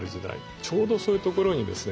ちょうどそういうところにですね